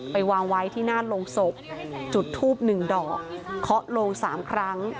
ไปวางไว้ที่หน้าโรงศพจุดทูบ๑ดอกเคาะโลง๓ครั้ง